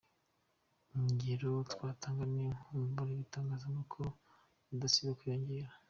Ingero twatanga ni nk’umubare w’ibitangazamakuru udasiba kwiyongera.